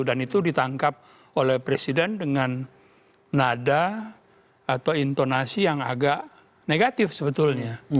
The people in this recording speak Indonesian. dan itu ditangkap oleh presiden dengan nada atau intonasi yang agak negatif sebetulnya